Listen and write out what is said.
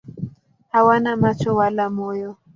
Hawana macho wala moyo.